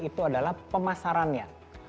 itu adalah pemasarannya